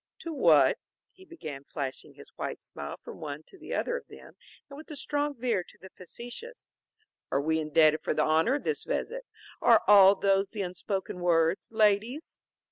"To what," he began, flashing his white smile from one to the other of them, and with a strong veer to the facetious, "are we indebted for the honor of this visit? Are those the unspoken words, ladies?"